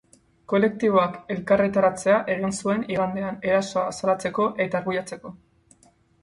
Kolektiboak elkarretaratzea egin zuen igandean, erasoa salatzeko eta arbuiatzeko.